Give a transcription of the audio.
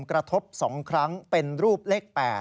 กระทบ๒ครั้งเป็นรูปเลข๘